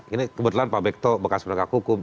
ini kebetulan pak bekto bekas penegak hukum